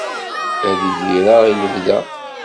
Ad idireɣ i lebda.